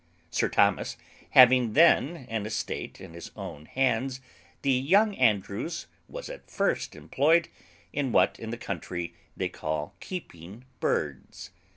Sir Thomas having then an estate in his own hands, the young Andrews was at first employed in what in the country they call keeping birds.